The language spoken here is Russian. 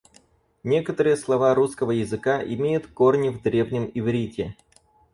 Некоторые слова русского языка имеют корни в древнем иврите.